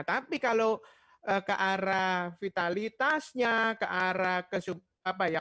tapi kalau ke arah vitalitasnya ke arah